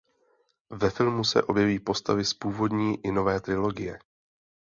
Ve filmu se objeví postavy z původní i nové trilogie.